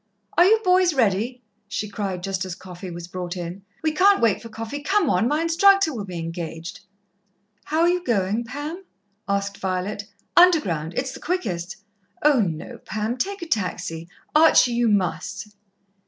"Are you boys ready?" she cried, just as coffee was brought in. "We can't wait for coffee come on! My instructor will be engaged." "How are you going, Pam?" asked Violet. "Underground. It's the quickest." "Oh, no, Pam. Take a taxi. Archie, you must!"